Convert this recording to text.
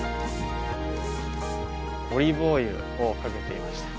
オリーブオイルをかけていました。